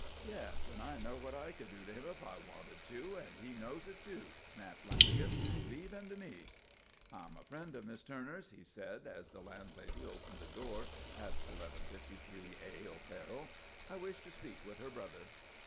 "Yes, and I know what I could do to him if I wanted to, and he knows it, too," snapped Lanagan. "Leave him to me." "I'm a friend of Miss Turner's," he said as the landlady opened the door at 1153A O'Farrell. "I wish to speak with her brother."